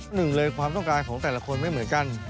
หนึ่งเลยความต้องการของแต่ละคนไม่เหมือนกัน